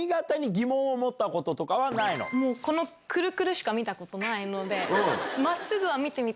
もうこのクルクルしか見たことないので。